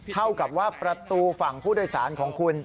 เท่ากับว่าประตูฝั่งผู้โดยสารของคุณ